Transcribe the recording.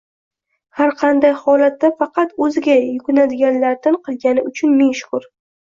Har qanday holatda faqat O‘ziga yukinadiganlardan qilgani uchun ming shukr!